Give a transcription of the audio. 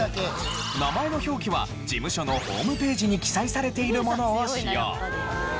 名前の表記は事務所のホームページに記載されているものを使用。